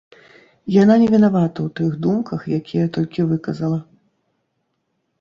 Яна не вінавата ў тых думках, якія толькі выказала.